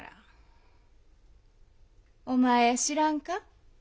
お前知らんか？